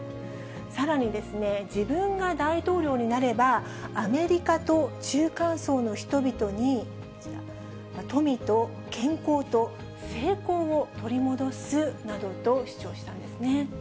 さらに、自分が大統領になれば、アメリカと中間層の人々に、こちら、富と健康と成功を取り戻すなどと主張したんですね。